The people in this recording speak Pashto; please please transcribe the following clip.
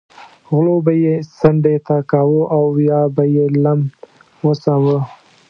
غلو به یې څنډې ته کاوه او یا به یې لم غوڅاوه.